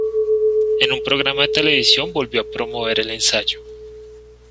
En un programa de televisión, volvió a promover el ensayo.